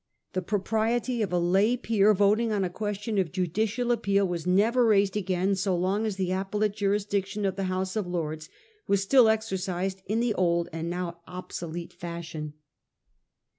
The propriety of a lay peer voting on a question of judicial appeal was never raised again so long as the appellate jurisdic tion of the House of Lords was still exercised in the old and now obsolete fashion.